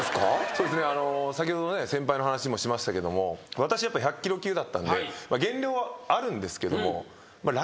そうですねあの先ほど先輩の話もしましたけども私１００キロ級だったんで減量はあるんですけども楽な方なんですね。